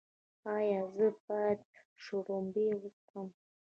ایا زه باید شړومبې وڅښم؟